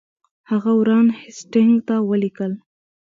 هغه وارن هیسټینګ ته ولیکل.